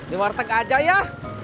di warteg aja ya